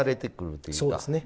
そうですね。